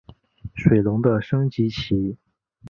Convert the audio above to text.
水龙的升级棋。